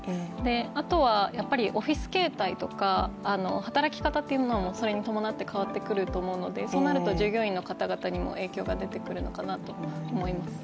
あとは、オフィス形態とか働き方っていうのもそれに伴って変わってくると思うのでそうなってくると従業員の方々にも影響が出てくるのかなと思います。